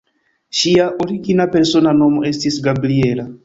Ŝia origina persona nomo estis "Gabriella".